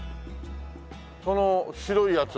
その白いやつ。